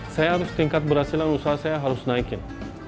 saya harus tingkat berhasilan usaha saya harus naikin